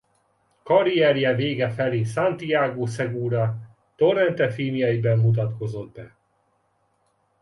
Karrierje vége felé Santiago Segura Torrente-filmjeiben mutatkozott be.